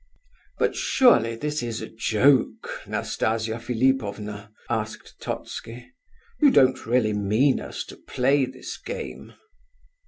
"But surely this is a joke, Nastasia Philipovna?" asked Totski. "You don't really mean us to play this game."